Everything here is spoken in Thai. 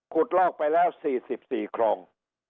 ลอกไปแล้ว๔๔คลอง